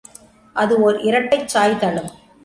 அது ஒர் இரட்டைச் சாய்தளம்.